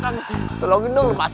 ya yang tadi kita lihat